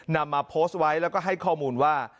นำมาโพสต์ไว้แล้วก็ให้ข้อมูลว่า